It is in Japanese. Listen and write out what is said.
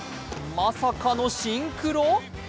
まさかのシンクロ？